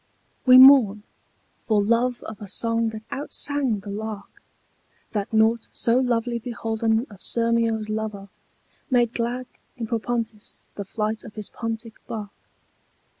We mourn, for love of a song that outsang the lark, That nought so lovely beholden of Sirmio's lover Made glad in Propontis the flight of his Pontic bark.